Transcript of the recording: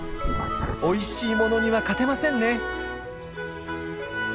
おいしいものには勝てませんね。